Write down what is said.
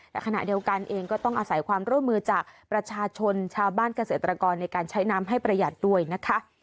แต่ขณะเดียวกันเองก็ต้องอาศัยความร่วมมือจากประชาชนชาวบ้านเกษตรกรในการใช้น้ำให้ประหยัดด้วยนะคะ